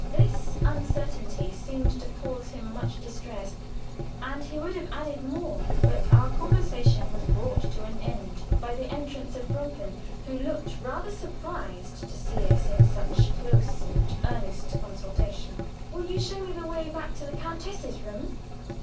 This uncertainty seemed to cause him much distress, and he would have added more, but our conversation was brought to an end by the entrance of Brunken, who looked rather surprised to see us in such close and earnest consultation. "Will you show me the way back to the countess's room?"